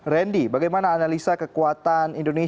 randy bagaimana analisa kekuatan indonesia